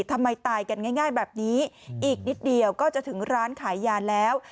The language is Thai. ทำไมตายกันง่ายแบบนี้อีกนิดเดียวก็จะถึงร้านขายยาแล้ว